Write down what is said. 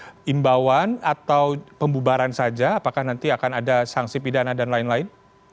atau imbauan atau pembubaran saja apakah nanti akan ada sanksi pidana dan lain lain